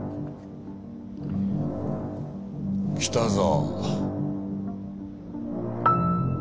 来たぞ。